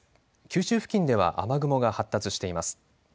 九州付近では雨雲が発達しています。